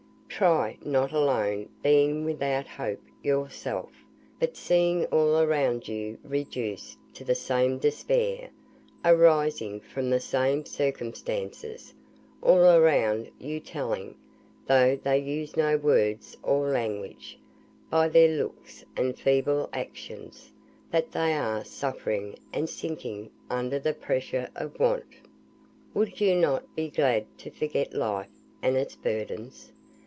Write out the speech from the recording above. Try, not alone being without hope yourself, but seeing all around you reduced to the same despair, arising from the same circumstances; all around you telling (though they use no words or language), by their looks and feeble actions, that they are suffering and sinking under the pressure of want. Would you not be glad to forget life, and its burdens?